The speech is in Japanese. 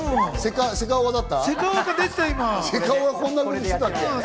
セカオワだった？